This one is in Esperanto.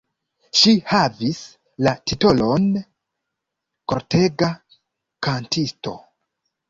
Ŝi havis la titolon "kortega kantisto".